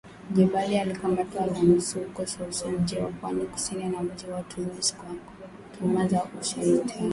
Jebali alikamatwa Alhamis huko Sousse mji wa pwani kusini wa mji mkuu wa Tunis kwa tuhuma za utakatishaji fedha.